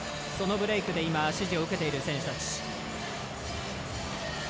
そのブレークで指示を受けている選手たち。